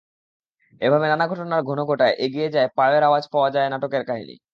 এভাবে নানা ঘটনার ঘনঘটায় এগিয়ে যায় পায়ের আওয়াজ পাওয়া যায় নাটকের কাহিনি।